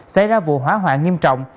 xảy ra vụ hỏa hoạ nghiêm trọng